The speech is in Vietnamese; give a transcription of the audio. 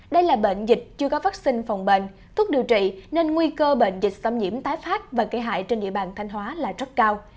đây là bệnh dịch chưa có vaccine phòng bệnh thuốc điều trị nên nguy cơ bệnh dịch xâm nhiễm tái phát và gây hại trên địa bàn thanh hóa là rất cao